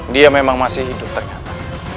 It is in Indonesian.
dia memang masih hidup ternyata